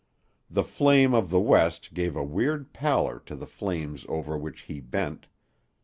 The flame of the west gave a weird pallor to the flames over which he bent.